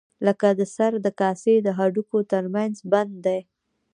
لکه د سر د کاسې د هډوکو تر منځ بند دی.